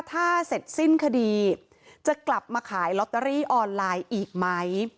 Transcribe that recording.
ถ้าเสร็จสิ้นคดีจะกลับมาขายลอตเตอรี่ออนไลน์อีกไหม